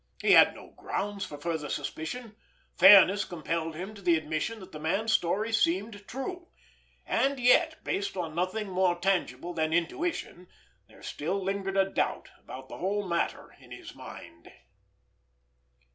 He had no grounds for further suspicion, fairness compelled him to the admission that the man's story seemed true; and yet, based on nothing more tangible than intuition, there still lingered a doubt about the whole matter in his mind.